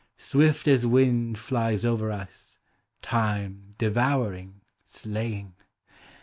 Swift as wind flies over us Time, devouring, slaying.